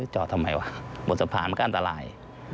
จอดทำไมหมดสะพานก็อันตราย